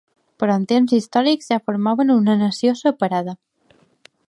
Però en temps històrics ja formaven una nació separada.